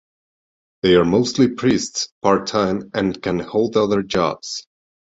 They are mostly priests part-time and can hold other jobs.